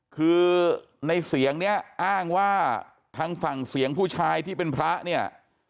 คือในเสียงเนี่ยอ้างว่าทางฝั่งเสียงผู้ชายที่เป็นพระเนี่ย